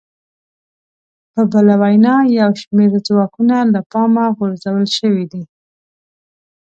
په بله وینا یو شمېر ځواکونه له پامه غورځول شوي دي